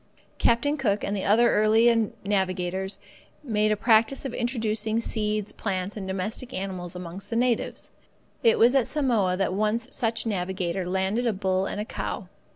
Captain Cook and the other early navigators made a practice of introducing seeds, plants, and domestic animals amongst the natives. It was at Samoa that one such navigator landed a bull and a cow.